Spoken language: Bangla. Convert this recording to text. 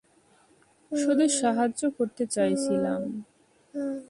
শুধু সাহায্য করতে চাইছিলাম।